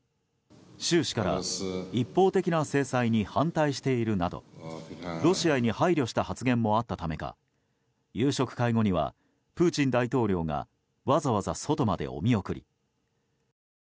習氏から一方的な制裁に反対しているなどロシアに配慮した発言もあったためか夕食会後には、プーチン大統領がわざわざ外までお見送り。